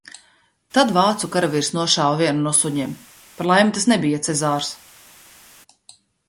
Tad vācu karavīrs nošāva vienu no suņiem, par laimi tas nebija Cezārs.